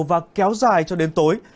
và kéo dài cho đến tối